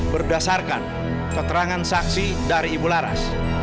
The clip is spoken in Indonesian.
berdasarkan keterangan saksi dari ibu laras